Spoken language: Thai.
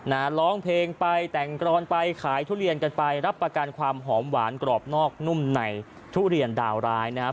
ร้องเพลงไปแต่งกรอนไปขายทุเรียนกันไปรับประกันความหอมหวานกรอบนอกนุ่มในทุเรียนดาวร้ายนะครับ